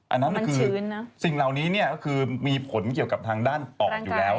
อันนั้นคือสิ่งเหล่านี้ก็คือมีผลเกี่ยวกับทางด้านปอดอยู่แล้ว